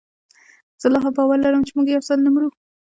زه لا هم باور لرم چي موږ یوځل نه مرو